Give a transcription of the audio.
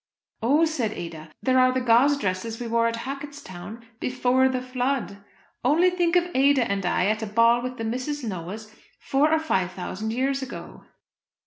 "Oh," said Ada, "there are the gauze dresses we wore at Hacketstown before the flood!" Only think of Ada and I at a ball with the Miss Noahs, four or five thousand years ago.